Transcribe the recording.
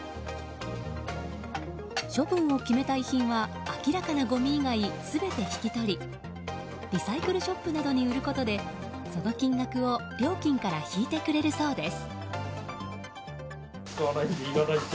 処分を決めた遺品は明らかなごみ以外全て引き取りリサイクルショップなどに売ることでその金額を料金から引いてくれるそうです。